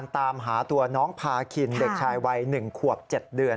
ตามหาตัวน้องพาคินเด็กชายวัย๑ขวบ๗เดือน